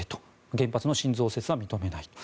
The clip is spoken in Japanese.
原発の新増設は認めないと。